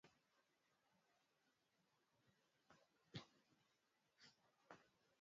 matokeo yake kwa kiasi kikubwa ni kuambukizwa au kuambukiza ukimwi